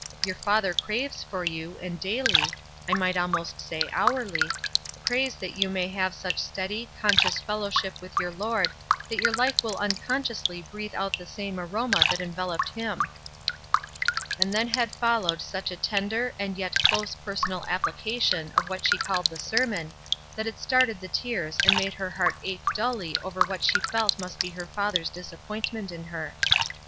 Your father craves for you, and daily — I might almost say hourly — prays that you may have such steady, conscious fellowship with your Lord that your hfe will unconsciously breathe out the same aroma that enveloped Him." And then had followed such a tender and yet close personal application of what she called the sermon, that it started the tears and made her heart ache dully over what she felt must be her father's disappointment in her.